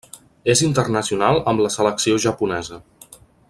És internacional amb la selecció japonesa.